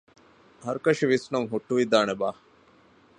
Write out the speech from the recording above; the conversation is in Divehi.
ހަރުކަށި ވިސްނުން ހުއްޓުވިދާނެބާ؟